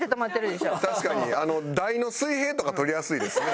確かに台の水平とか取りやすいですね。